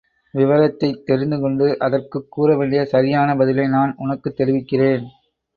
விவரத்தைத் தெரிந்துகொண்டு அதற்குக் கூறவேண்டிய சரியான பதிலை நான் உனக்குத் தெரிவிக்கிறேன்.